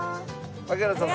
槙原さん